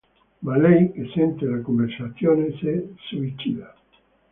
Ma lei, che sente la conversazione, si suicida.